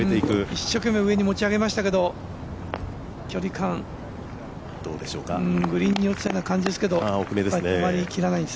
一生懸命、上に持ち上げましたけど、距離感グリーンに落ちた感じですけど。